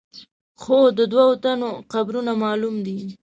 خو د دوو تنو قبرونه معلوم دي.